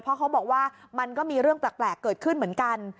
เพราะเขาบอกว่ามันก็มีเรื่องแปลกเกิดขึ้นเหมือนกัน